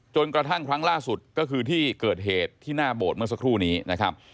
กระทั่งครั้งล่าสุดก็คือที่เกิดเหตุที่หน้าโบสถ์เมื่อสักครู่นี้นะครับ